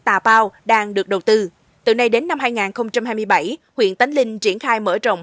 tà pao đang được đầu tư từ nay đến năm hai nghìn hai mươi bảy huyện tánh linh triển khai mở rộng